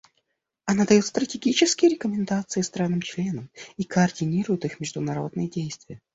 Она дает стратегические рекомендации странам-членам и координирует их международные действия.